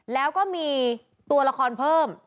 แล้วก็มีตัวละครเพิ่ม